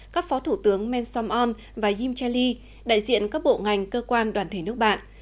các phó thủ tướng mensom on và yim che lee đại diện các bộ ngành cơ quan đoàn thể nước bạn